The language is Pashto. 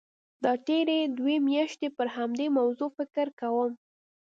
دا تېرې دوه میاشتې پر همدې موضوع فکر کوم.